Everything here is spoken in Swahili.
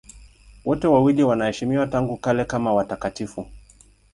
Wote wawili wanaheshimiwa tangu kale kama watakatifu.